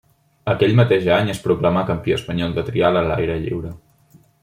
Aquell mateix any es proclamà campió espanyol de trial a l'aire lliure.